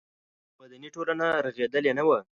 مدني ټولنه رغېدلې نه وه.